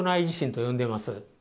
地震と呼んでいます。